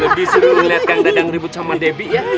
lebih seru liat kang dadang ribut sama debbie ya